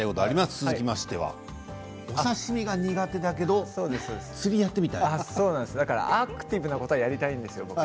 続きましてはお刺身が苦手だけどアクティブなことやりたいんですよ。